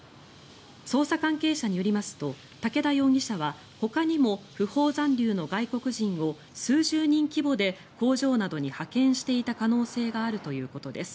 捜査関係者によりますと竹田容疑者はほかにも不法残留の外国人を数十人規模で工場などに派遣していた可能性があるということです。